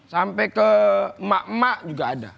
sampai ke emak emak juga ada